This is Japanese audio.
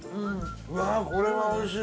うわあこれはおいしい！